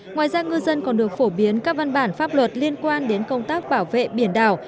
ngoài ra ngư dân còn được phổ biến các văn bản pháp luật liên quan đến công tác bảo vệ biển đảo